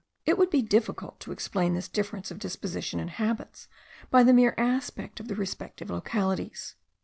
It would be difficult to explain this difference of disposition and habits, by the mere aspect of the respective localities.